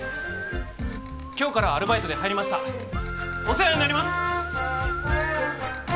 今日からアルバイトで入りましたお世話になります！